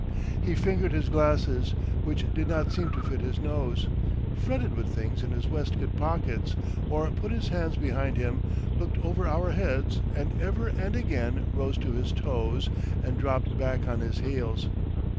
He fingered his glasses, which did not seem to fit his nose, fretted with things in his waistcoat pockets or put his hands behind him, looked over our heads, and ever and again rose to his toes and dropped back on his heels.